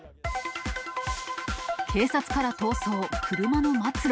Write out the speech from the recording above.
警察から逃走、車の末路。